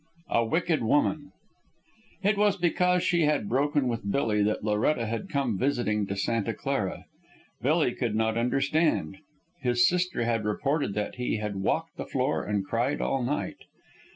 A WICKED WOMAN It was because she had broken with Billy that Loretta had come visiting to Santa Clara. Billy could not understand. His sister had reported that he had walked the floor and cried all night.